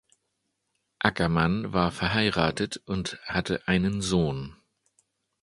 Ackermann war verheiratet und hatte einen Sohn.